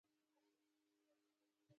ایا دا شمیر په ټولو حیواناتو کې یو شان دی